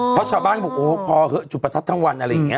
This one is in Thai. เพราะชาวบ้านพูดโอ้พอจุดประทับทั้งวันอะไรอย่างนี้